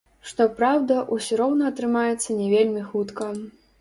Што праўда, усё роўна атрымаецца не вельмі хутка.